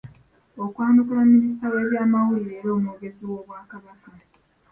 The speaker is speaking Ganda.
Okwanukula minisita w’ebyamawulire era omwogezi w’Obwakabaka.